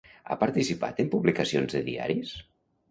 Ha participat en publicacions de diaris?